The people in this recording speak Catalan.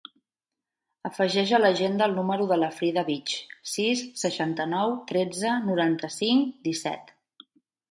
Afegeix a l'agenda el número de la Frida Vich: sis, seixanta-nou, tretze, noranta-cinc, disset.